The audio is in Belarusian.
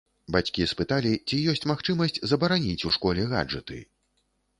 Бацькі спыталі, ці ёсць магчымасць забараніць у школе гаджэты.